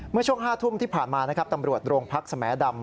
เมื่อช่วง๕ทุ่มที่ผ่านมาตำรวจโรงพักษณ์สมดำ